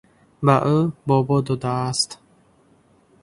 Ба ӯ бобо додааст